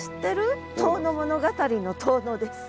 「遠野物語」の遠野です。